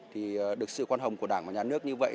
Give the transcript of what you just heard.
thì được sự quan hồng của đảng và nhà nước như vậy